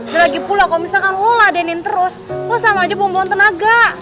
dan lagi pula kalo misalkan lo ladenin terus lo sama aja bom bom tenaga